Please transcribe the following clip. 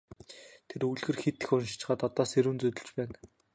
Тэр үлгэр хэт их уншчихаад одоо сэрүүн зүүдэлж байна.